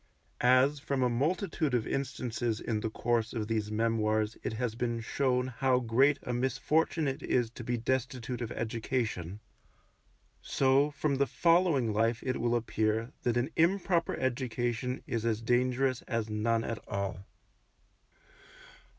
As from a multitude of instances in the course of these memoirs it has been shown how great a misfortune it is to be destitute of education, so from the following life it will appear that an improper education is as dangerous as none at all.